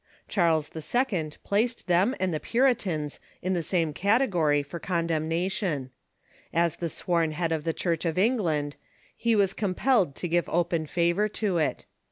Charles II. placed them and the Puritans in the same category for con demnation. As the sworn head of the Church of England, he was compelled to give open favor to it.